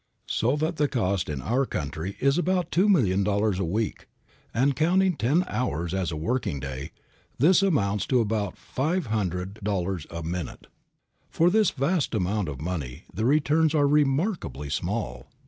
So that the cost in our country is about two million dollars a week, and, counting ten hours as a working day, this amounts to about five hundred dollars a minute. For this vast amount of money the returns are remarkably small.